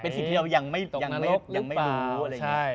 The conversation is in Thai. เป็นสิ่งที่เรายังไม่รู้